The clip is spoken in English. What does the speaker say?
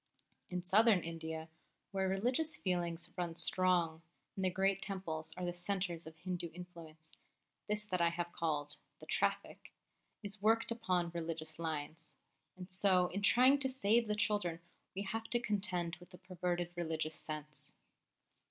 In Southern India, where religious feeling runs strong, and the great Temples are the centres of Hindu influence, this that I have called "The Traffic" is worked upon religious lines; and so in trying to save the children we have to contend with the perverted religious sense.